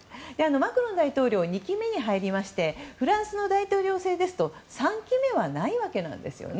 マクロン大統領は２期目に入りましてフランスの大統領選挙ですと３期目はないわけなんですね。